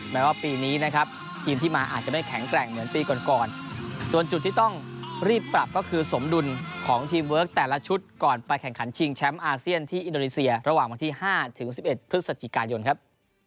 แม้ว่าปีนี้นะครับทีมที่มาอาจจะไม่แข็งแกร่งเหมือนปีก่อนก่อนส่วนจุดที่ต้องรีบปรับก็คือสมดุลของทีมเวิร์คแต่ละชุดก่อนไปแข่งขันชิงแชมป์อาเซียนที่อินโดนีเซียระหว่างวันที่๕ถึง๑๑พฤศจิกายนครับ